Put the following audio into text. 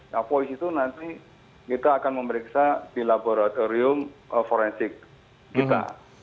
nah voice itu nanti kita akan memeriksa di laboratorium forensik kita